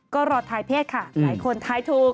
ก็รอทายเพศค่ะหลายคนทายถูก